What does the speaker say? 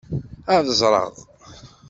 Ad ẓreɣ.